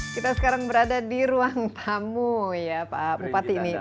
kita sekarang berada di ruang tamu ya pak bupati ini